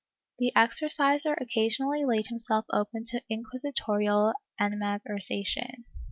^ The exorciser also occasionally laid himself open to inquisitorial animadversion.